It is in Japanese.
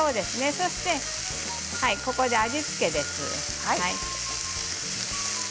そして、ここで味付けです。